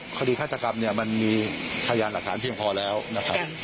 ฆาตกรรมเนี่ยมันมีพยานหลักฐานเพียงพอแล้วนะครับ